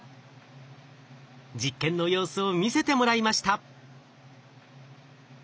実験の様子を見せてもらいました。